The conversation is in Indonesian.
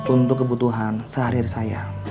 untuk kebutuhan sehari hari saya